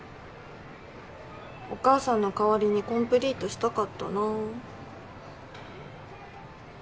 お母さんの代わりにコンプリートしたかったな。